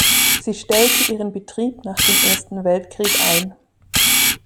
Sie stellte ihren Betrieb nach dem Ersten Weltkrieg ein.